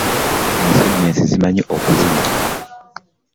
Ensenene zimanyi okuluma.